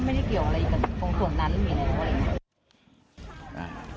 ไม่ได้เกี่ยวกับงงส่วนนั้น